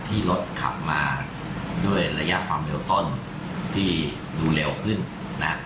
ที่รถขับมาด้วยระยะความเร็วต้นที่ดูเร็วขึ้นนะ